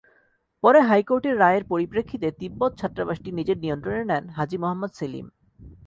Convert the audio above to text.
পরে হাইকোর্টের রায়ের পরিপ্রেক্ষিতে তিব্বত ছাত্রাবাসটি নিজের নিয়ন্ত্রণে নেন হাজি মোহাম্মদ সেলিম।